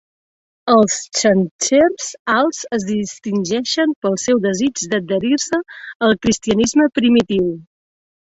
Els Xàntxers alts es distingeixen pel seu desig d'adherir-se al cristianisme primitiu.